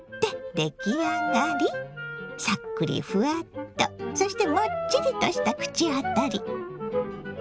さっくりふわっとそしてもっちりとした口当たり。